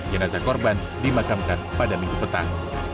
jenazah korban dimakamkan pada minggu petang